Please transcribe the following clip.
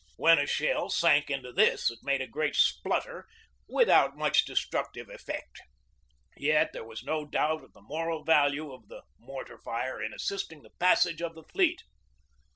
When a shell sank in this it made a great splutter without much de structive effect. Yet there is no doubt of the moral value of the mortar fire in assisting the passage of the fleet.